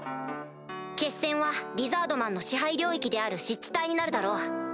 決戦はリザードマンの支配領域である湿地帯になるだろう。